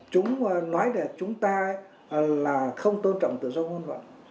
chúng nói là chúng ta là không tôn trọng tự do ngôn luận